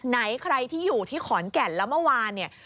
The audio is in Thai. ไหนใครที่อยู่ที่ขอนแก่นแล้วเมื่อวานเนี่ย